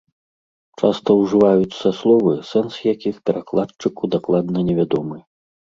Часта ўжываюцца словы, сэнс якіх перакладчыку дакладна невядомы.